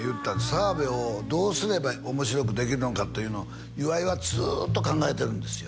澤部をどうすれば面白くできるのかというのを岩井はずっと考えてるんですよ